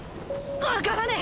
わからねえ！